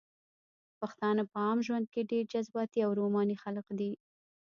پښتانه په عام ژوند کښې ډېر جذباتي او روماني خلق دي